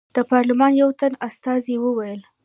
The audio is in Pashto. د پارلمان یو تن استازي وویل.